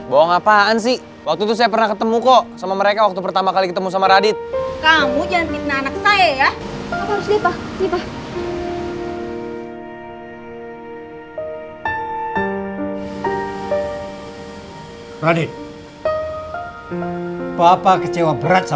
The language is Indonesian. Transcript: bohong apaan sih waktu itu saya pernah ketemu kok sama mereka waktu pertama kali ketemu sama radit